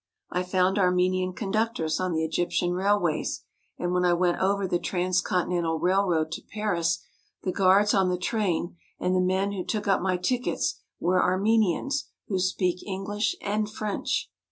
I found Armenian conductors on the Egyptian railways, and when I went over the transcontinental railroad to Paris the guards on the train and the men who took up my tickets were Armen ians who spoke English and French.